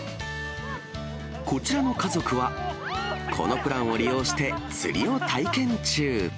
こちらの家族は、このプランを利用して釣りを体験中。